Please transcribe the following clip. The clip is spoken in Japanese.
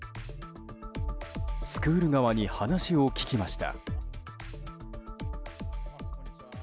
スクール側に話を聞きました。